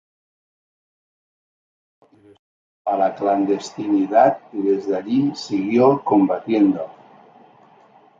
Horacio ingresó a la clandestinidad y desde allí siguió combatiendo.